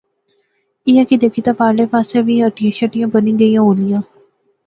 ایہہ کی دیکھی تہ فیر پارلے پاسے وی ہٹیاں شٹیاں بنی گئیاں ہولیاں